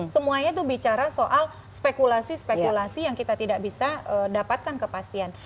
semuanya itu bicara soal spekulasi spekulasi yang kita tidak bisa dapatkan kepastian